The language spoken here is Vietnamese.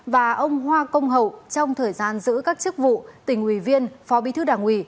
và ông hoa công hậu trong thời gian giữ các chức vụ tỉnh ủy viên phó bí thư đảng ủy